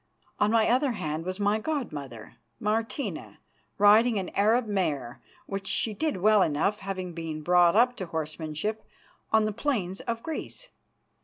On my other hand was my god mother, Martina, riding an Arab mare, which she did well enough, having been brought up to horsemanship on the plains of Greece.